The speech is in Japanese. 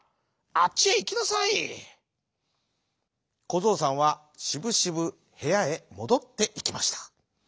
こぞうさんはしぶしぶへやへもどっていきました。